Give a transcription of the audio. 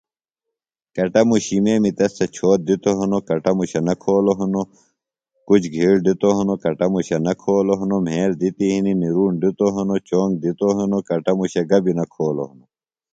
کٹموشی میمی تس تھےۡ چھوت دِتوۡ ہنوۡ، کٹموشہ نہ کھولوۡ ہنوۡ، کُچ گِھیڑ دِتوۡ ہنوۡ، کٹموشہ نہ کھولوۡ ہنوۡ، مھیل دِتیۡ ہنیۡ، نرُوݨ دِتوۡ ہنوۡ، چونگ دِتوۡ ہنوۡ، کٹموشہ گبیۡ نہ کھولوۡ ہنوۡ